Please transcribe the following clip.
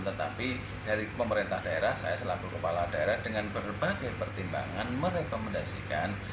tetapi dari pemerintah daerah saya selaku kepala daerah dengan berbagai pertimbangan merekomendasikan